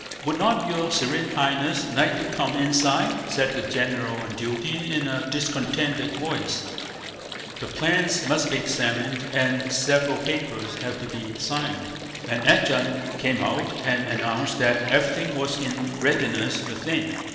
"Would not your Serene Highness like to come inside?" said the general on duty in a discontented voice, "the plans must be examined and several papers have to be signed." An adjutant came out and announced that everything was in readiness within.